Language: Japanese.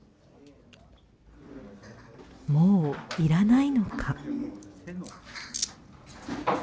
もういらないのか。